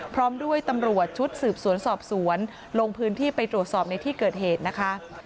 พร้อมด้วยตำรวจชุดสืบสวนสอบสวนลงพื้นที่ไปตรวจสอบในที่เกิดเหตุนะคะ